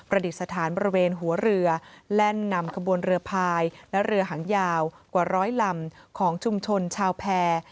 ดิษฐานบริเวณหัวเรือแล่นนำขบวนเรือพายและเรือหางยาวกว่าร้อยลำของชุมชนชาวแพร่